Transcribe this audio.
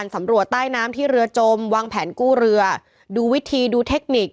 สำรวจใต้น้ำที่เรือจมวางแผนกู้เรือดูวิธีดูเทคนิค